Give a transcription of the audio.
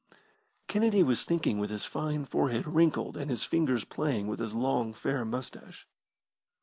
Kennedy was thinking with his fine forehead wrinkled and his fingers playing with his long, fair moustache.